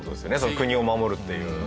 国を守るっていう。